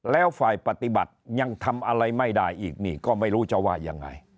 แล้วฝ่ายปฏิบัติยังทำอะไรไม่ได้อีกนี่ก็ไม่รู้จะว่ายังไง